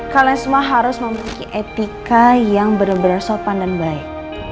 kalesma harus memiliki etika yang benar benar sopan dan baik